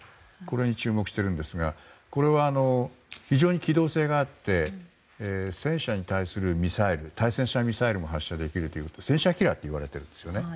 これに注目しているんですがこれは非常に機動性があって戦車に対するミサイルも発射できて戦車キラーと言われているんです。